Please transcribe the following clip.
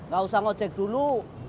gak usah ngojek dulu